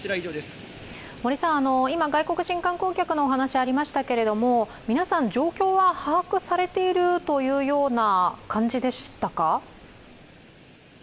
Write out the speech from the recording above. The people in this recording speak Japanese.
今、外国人観光客のお話がありましたけれども、皆さん、状況は把握されているというような感じでしたか？